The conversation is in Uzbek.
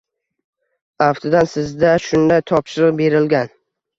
Aftidan, sizda shunday topshiriq berilgan